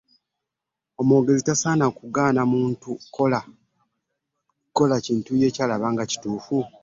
Omwogezi tasaana kugaana muntu kukola bintu ye byalaba nga ebituufu .